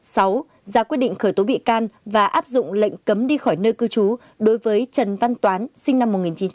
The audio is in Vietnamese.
sáu ra quyết định khởi tố bị can và áp dụng lệnh cấm đi khỏi nơi cư trú đối với trần văn toán sinh năm một nghìn chín trăm tám mươi